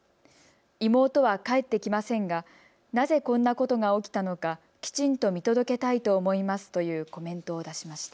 妹は帰ってきませんがなぜこんなことが起きたのかきちんと見届けたいと思いますというコメントを出しました。